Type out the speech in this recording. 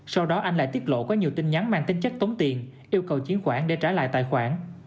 sau đó anh lại tiết lộ có nhiều tin nhắn mang tính chất tống tiền yêu cầu chuyển khoản để trả lại tài khoản